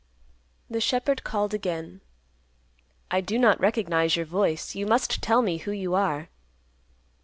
The shepherd called again, "I do not recognize your voice. You must tell me who you are."